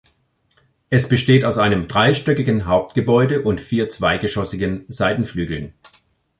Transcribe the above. Es besteht aus einem dreistöckigen Hauptgebäude und vier zweigeschossigen Seitenflügeln.